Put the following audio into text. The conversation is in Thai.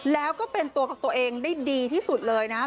แล้วก็เป็นตัวของตัวเองได้ดีที่สุดเลยนะครับ